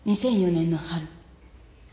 ２００４年の春。